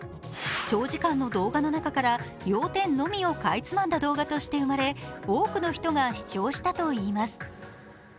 長時間の動画の中から要点のみをかいつまんだ動画として生まれ、多くの人が視聴したといいます。